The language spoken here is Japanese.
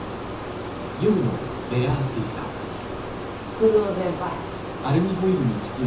不動先輩。